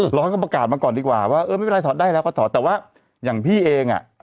รอให้เขาประกาศมาก่อนดีกว่าว่าเออไม่เป็นไรถอดได้แล้วก็ถอดแต่ว่าอย่างพี่เองอ่ะ